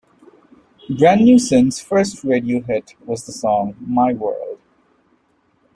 Brand New Sin's first radio hit was the song "My World".